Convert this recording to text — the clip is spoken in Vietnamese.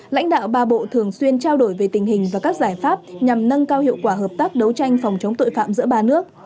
lãnh đạo ba bộ thường xuyên trao đổi về tình hình và các giải pháp nhằm nâng cao hiệu quả hợp tác đấu tranh phòng chống tội phạm giữa ba nước